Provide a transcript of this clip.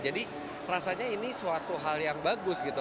jadi rasanya ini suatu hal yang bagus gitu